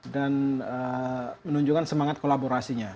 dan menunjukkan semangat kolaborasinya